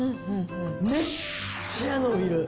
めっちゃ伸びる。